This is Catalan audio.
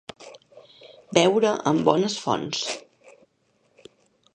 Beure en bones fonts.